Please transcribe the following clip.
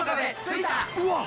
うわっ！